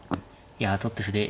いや取って歩で。